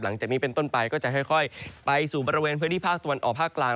หลังจากนี้เป็นต้นไปก็จะค่อยไปสู่บริเวณพื้นที่ภาคตะวันออกภาคกลาง